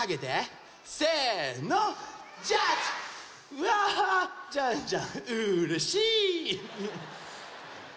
うわジャンジャンうれしい！